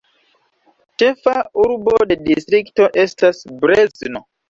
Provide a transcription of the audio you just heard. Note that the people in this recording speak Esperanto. Ĉefa urbo de distrikto estas Brezno.